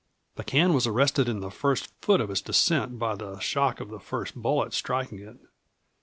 The can was arrested in the first foot of its descent by the shock of the first bullet striking it.